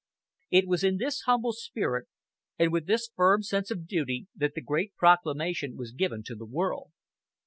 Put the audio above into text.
It was in this humble spirit, and with this firm sense of duty that the great proclamation was given to the world.